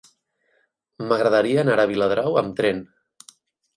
M'agradaria anar a Viladrau amb tren.